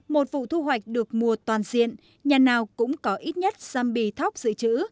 một vụ thu hoạch được mùa toàn diện nhà nào cũng có ít nhất zombie thóc dự trữ